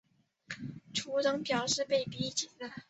处长表示被逼紧了